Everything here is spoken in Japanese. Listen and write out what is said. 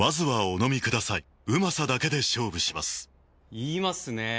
言いますねぇ。